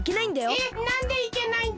えっなんでいけないんですか？